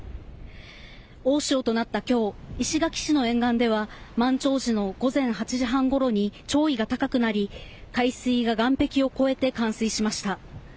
大潮となった今日石垣市の沿岸では満潮時の午前８時半ごろに潮位が高くなり海水が岸壁を越えて冠水しました。